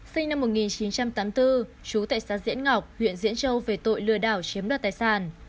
sinh năm một nghìn chín trăm tám mươi bốn chú tại xã diễn ngọc huyện diễn châu về tội lừa đảo chiếm đoạt tài sản